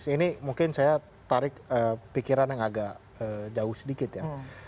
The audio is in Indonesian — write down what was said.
ini mungkin saya tarik pikiran yang agak jauh sedikit ya